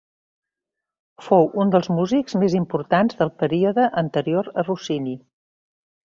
Fou un dels músics més importants del període anterior a Rossini.